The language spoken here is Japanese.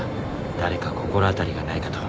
誰か心当たりがないかと。